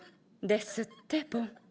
ですってボン。